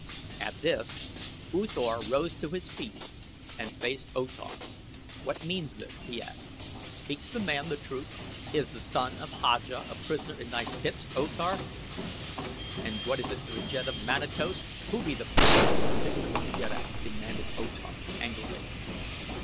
At this U Thor rose to his feet and faced O Tar. "What means this?" he asked. "Speaks the man the truth? Is the son of Haja a prisoner in thy pits, O Tar?" "And what is it to the jed of Manatos who be the prisoners in the pits of his jeddak?" demanded O Tar, angrily.